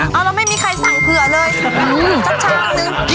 เอาแล้วไม่มีใครสั่งเผื่อเลยสักชามนึง